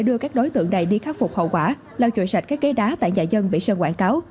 cho các đối tượng này đi khắc phục hậu quả lau chuỗi sạch các ghế đá tại nhà dân bị sơn quảng cáo